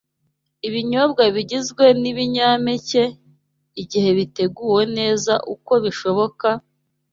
Ibinyobwa bigizwe n’ibinyampeke, igihe biteguwe neza uko bishoboka,